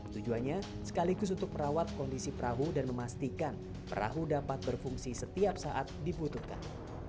tujuannya sekaligus untuk merawat kondisi perahu dan memastikan perahu dapat berfungsi setiap saat dibutuhkan